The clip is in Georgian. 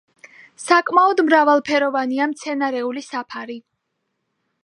საკმაოდ მრავალფეროვანია მცენარეული საფარი.